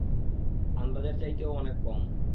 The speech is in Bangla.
আন্দাজের চাইতেও অনেক কম!